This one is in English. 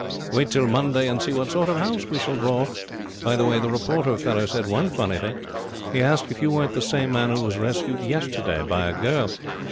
Wait till Monday and see what sort of a house we shall draw. By the way, the reporter fellow said one funny thing. He asked if you weren't the same man who was rescued yesterday by a girl.